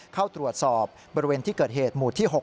เข้าตรวจสอบบริเวณที่เกิดเหตุหมู่ที่๖